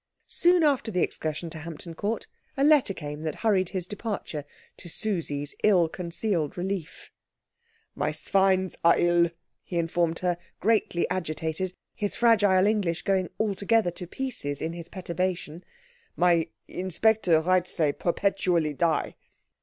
Soon after the excursion to Hampton Court a letter came that hurried his departure, to Susie's ill concealed relief. "My swines are ill," he informed her, greatly agitated, his fragile English going altogether to pieces in his perturbation; "my inspector writes they perpetually die.